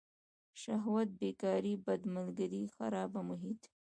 شهوت بیکاري بد ملگري خرابه محیط.